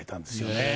ねえ。